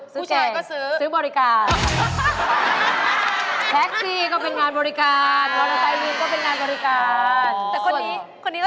ผู้ชายก็ซื้อซื้อบริการ